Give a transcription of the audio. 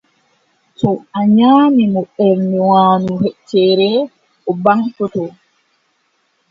To a nyaamni mo ɓernde waandu heccere, o ɓaŋtoto.